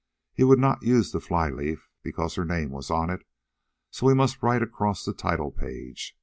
He would not use the fly leaf, because her name was on it, so he must write across the title page.